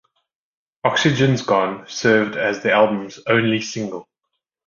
"Oxygen's Gone" served as the album's only single.